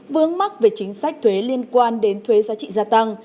vướng mắc về chính sách thuế liên quan đến thuế giá trị gia tăng